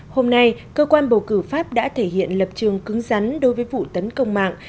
hôm nay cơ quan bầu cử pháp đã thể hiện lập trường cứng rắn đối với vụ tấn công mạng